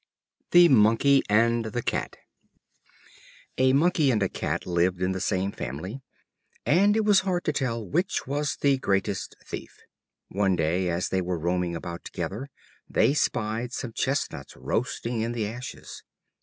The Monkey and the Cat. A Monkey and a Cat lived in the same family, and it was hard to tell which was the greatest thief. One day, as they were roaming about together, they spied some chestnuts roasting in the ashes.